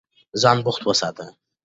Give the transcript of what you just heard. ځان بوخت وساتئ.